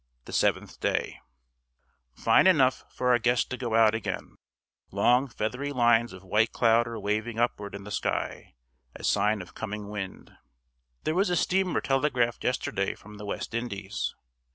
THE SEVENTH DAY. FINE enough for our guest to go out again. Long, feathery lines of white cloud are waving upward in the sky, a sign of coming wind. There was a steamer telegraphed yesterday from the West Indies.